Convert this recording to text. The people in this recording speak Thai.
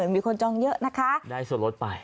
มีคนจองเยอะนะคะได้ส่วนลดไป